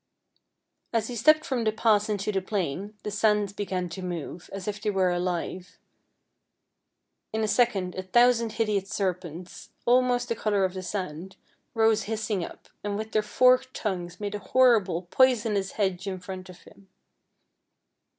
As he stepped from the pass into the plain the sands began to move, as if they were alive. In a second a thousand hideous serpents, almost the color of the sand, rose hissing up, and with their forked tongues made a horrible, poisonous hedge in front of him.